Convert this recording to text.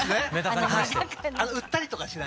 売ったりとかしない。